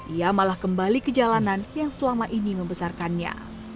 ia malah kembali ke jalanan yang selama ini membesarkannya